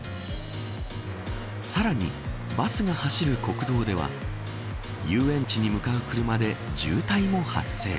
さらに、バスが走る国道では遊園地に向かう車で渋滞も発生。